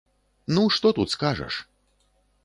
Ну што тут скажаш?